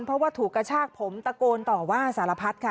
เพราะว่าถูกกระชากผมตะโกนต่อว่าสารพัดค่ะ